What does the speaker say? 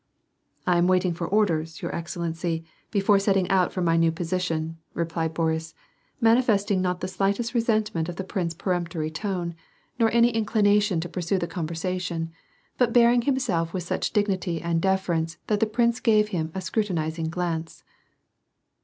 "I am waiting for orders, your excellency, before setting out for my new position," replied Boris, manifesting not the slightest resentment of the prince's peremptory tone, nor any 58 WAR AND PEACE. inclination to pursue tiie conversation, but bearing himself with such dignity and deference that the prince gave him a scrutinizing glance.